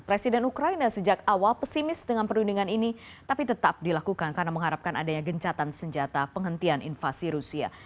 presiden ukraina sejak awal pesimis dengan perundingan ini tapi tetap dilakukan karena mengharapkan adanya gencatan senjata penghentian invasi rusia